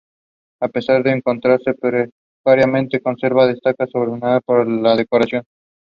He has also written about various other medical applications of electronic noses and tongues.